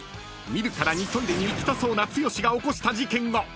見るからにトイレに行きたそうな剛が起こした事件が］